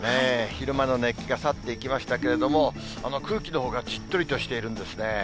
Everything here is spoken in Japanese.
昼間の熱気が去っていきましたけれども、空気のほうがじっとりとしているんですね。